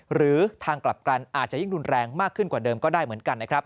หรือทางกลับกันอาจจะยิ่งรุนแรงมากขึ้นกว่าเดิมก็ได้เหมือนกันนะครับ